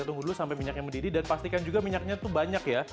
tunggu dulu sampai minyaknya mendidih dan pastikan juga minyaknya tuh banyak ya